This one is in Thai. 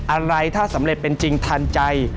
อะไรถ้าสำเร็จเป็นจริงทันใจ